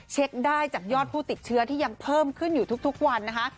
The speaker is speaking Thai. เช็คได้จากยอดผู้ติดเชื้อที่ยังเพิ่มขึ้นอยู่ทุกวันนะคะ